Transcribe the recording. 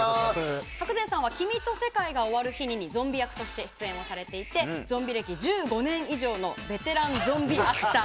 白善さんは「君と世界が終わる日に」にゾンビ役として出演されていてゾンビ歴１５年以上のベテランゾンビアクター。